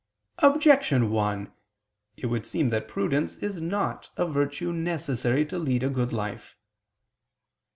Objection 1: It would seem that prudence is not a virtue necessary to lead a good life.